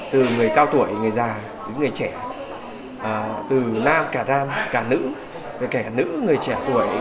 từ người cao tuổi người già người trẻ từ nam cả nam cả nữ kẻ nữ người trẻ tuổi